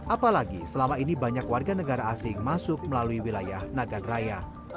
apalagi selama ini banyak warga negara asing masuk melalui wilayah nagan raya